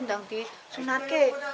saya ingin disuruh sunat tapi saya tidak bisa